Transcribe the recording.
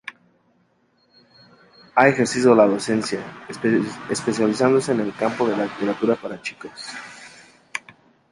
Ha ejercido la docencia, especializándose en el campo de la Literatura para chicos.